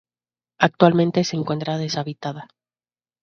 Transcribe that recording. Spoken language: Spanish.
Actualmente se encuentra deshabitada.